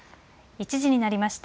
１時になりました。